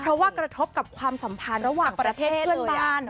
เพราะว่ากระทบกับความสัมพันธ์ระหว่างประเทศเพื่อนบ้าน